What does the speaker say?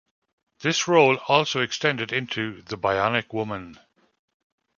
This role also extended into "The Bionic Woman".